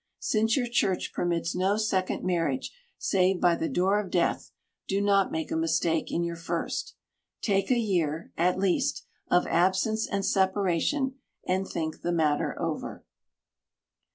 Since your church permits no second marriage save by the door of death, do not make a mistake in your first. Take a year, at least, of absence and separation, and think the matter over.